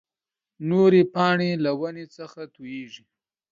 نورې پاڼې له ونې څخه تويېږي.